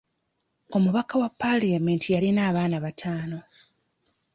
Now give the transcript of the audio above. Omubaka wa palamenti yalina abaana bataano.